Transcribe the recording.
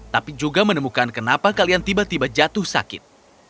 tapi juga menemukan kenapa kalian tiba tiba jatuh sakit